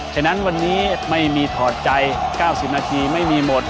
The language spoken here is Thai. ฉะนั้นวันนี้ไม่มีถอดใจ๙๐นาทีไม่มีหมด